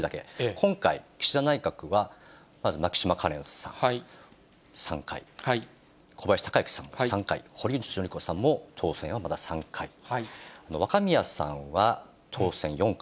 今回、岸田内閣は、まず牧島かれんさん３回、小林鷹之さん３回、堀内詔子さんも当選はまだ３回、若宮さんは当選４回。